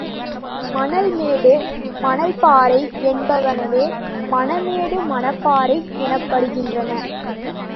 மணல்மேடு, மணல்பாறை என்பனவே, மணமேடு, மணப்பாறை எனப்படுகின்றன.